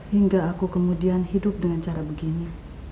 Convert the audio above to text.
hingga aku kemudian hidup dengan cara begini